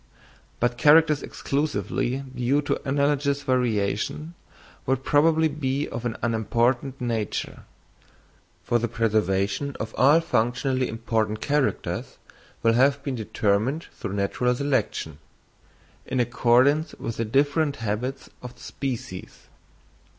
But characters exclusively due to analogous variation would probably be of an unimportant nature, for the preservation of all functionally important characters will have been determined through natural selection, in accordance with the different habits of the species.